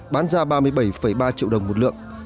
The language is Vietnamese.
bán ra ba mươi bảy ba triệu đồng một lượng